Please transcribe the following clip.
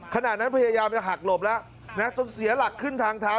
ขณะนั้นพยายามจะหักหลบแล้วนะจนเสียหลักขึ้นทางเท้า